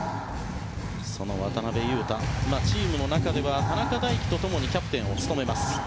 その渡邊雄太はチームの中では田中大貴と共にキャプテンを務めます。